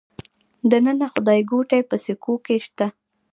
د ننه خدایګوټې په سکو کې شته